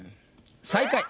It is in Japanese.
最下位。